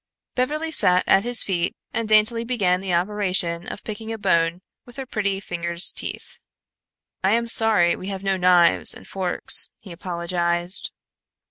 Beverly sat at his feet and daintily began the operation of picking a bone with her pretty fingers teeth. "I am sorry we have no knives and forks" he apologized.